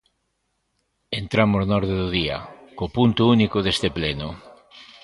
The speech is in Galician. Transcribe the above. Entramos na orde do día, co punto único deste pleno.